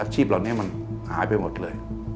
เหล่านี้มันหายไปหมดเลย